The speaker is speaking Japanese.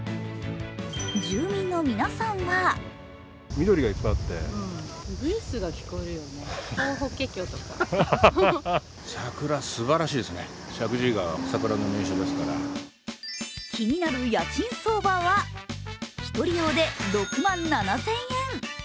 住民の皆さんは気になる家賃相場は１人用で６万７０００円。